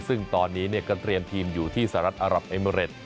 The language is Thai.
ซึ่งตอนนี้ก็เตรียมทีมอยู่ที่สหรัฐอารับเอเมริต